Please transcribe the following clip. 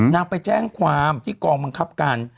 นางไปแจ้งความที่กองบังคับการ